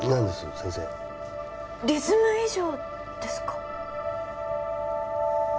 先生リズム異常ですか？